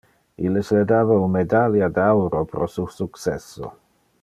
Illes le dava un medalia de auro pro su successo.